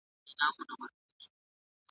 موږ به د خپلو خلکو لپاره کار کوو.